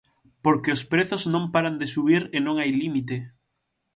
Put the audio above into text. Porque os prezos non paran de subir e non hai límite.